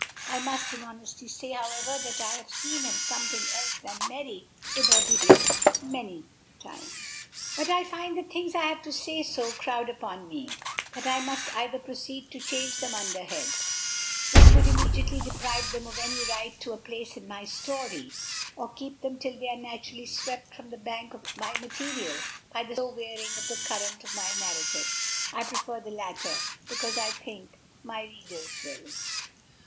I must in honesty say, however, that I have seen him something else than merry with her behavior, many a time. But I find the things I have to say so crowd upon me, that I must either proceed to arrange them under heads, which would immediately deprive them of any right to a place in my story, or keep them till they are naturally swept from the bank of my material by the slow wearing of the current of my narrative. I prefer the latter, because I think my readers will.